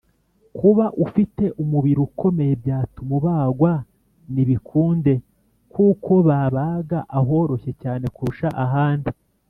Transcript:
kuba ufite umubiri ukomeye byatuma ubagwa ni bikunde kuko babaga ahoroshye cyane kurusha ahandi